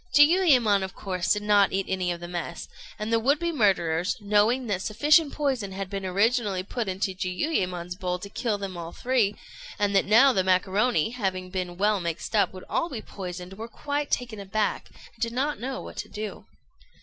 Jiuyémon, of course, did not eat any of the mess; and the would be murderers, knowing that sufficient poison had been originally put into Jiuyémon's bowl to kill them all three, and that now the macaroni, having been well mixed up, would all be poisoned, were quite taken aback, and did not know what to do.